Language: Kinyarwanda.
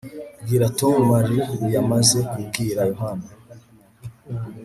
Bwira Tom Mary yamaze kubwira Yohana